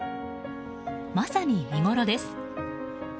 まさに見ごろです。